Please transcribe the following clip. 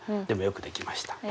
でもよくできました。